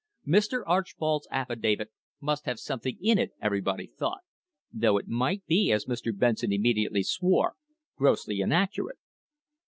Mr. Archbold's affidavit must have some thing in it, everybody thought, though it might be, as Mr. Benson immediately swore, "grossly inaccurate."